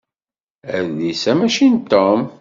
Adlis-a mačči n Tom.